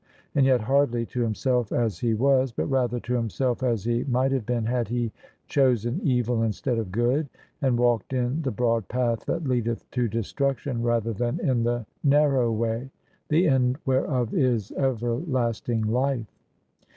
And yet hardly to himself as he was, but rather to himself as he might have been had he chosen evil instead of good, and walked in the broad path that leadeth to destruction rather than in the narrow way the end whereof is everlasting life.